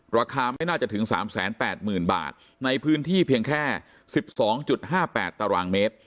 ราคาไม่น่าจะถึง๓๘๐๐๐บาทในพื้นที่เพียงแค่๑๒๕๘ตารางเมตร